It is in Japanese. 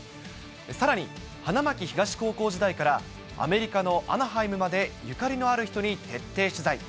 さらに、花巻東高校時代から、アメリカのアナハイムまで、ゆかりのある人に徹底取材。